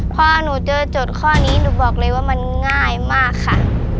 พอหนูเจอโจทย์ข้อนี้หนูบอกเลยว่ามันง่ายมากค่ะ